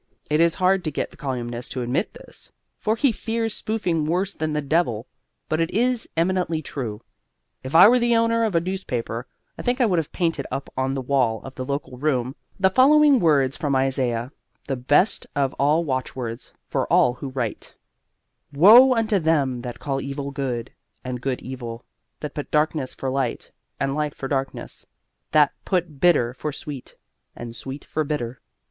It is hard to get the colyumist to admit this, for he fears spoofing worse than the devil; but it is eminently true. If I were the owner of a newspaper, I think I would have painted up on the wall of the local room the following words from Isaiah, the best of all watchwords for all who write: Woe unto them that call evil good, and good evil; that put darkness for light, and light for darkness; that put bitter for sweet, and sweet for bitter!